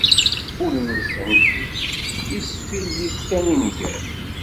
Ul-nsen isfillit kan i nnger.